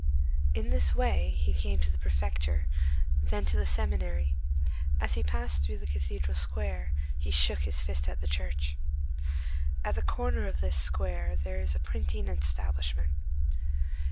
In this way he came to the prefecture, then to the seminary. As he passed through the Cathedral Square, he shook his fist at the church. At the corner of this square there is a printing establishment.